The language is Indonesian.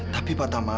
tapi pak tama